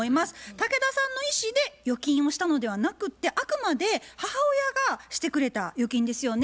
竹田さんの意思で預金をしたのではなくってあくまで母親がしてくれた預金ですよね。